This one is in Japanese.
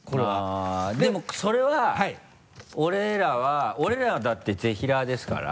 あっでもそれは俺らは俺らだってぜひらーですから。